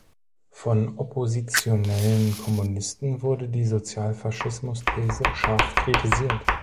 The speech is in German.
Von oppositionellen Kommunisten wurde die Sozialfaschismusthese scharf kritisiert.